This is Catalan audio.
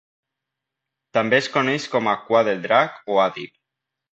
També es coneix com a "cua del Drac " o "Adib".